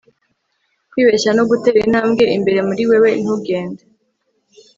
kwibeshya no gutera intambwe imbere muri wewe ntugende